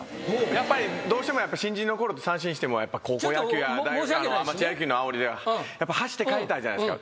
やっぱりどうしても新人のころって三振しても高校野球やアマチュア野球のあおりで走って帰りたいじゃないですか。